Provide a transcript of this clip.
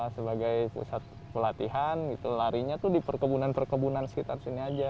sebagai pusat pelatihan gitu larinya tuh di perkebunan perkebunan sekitar sini aja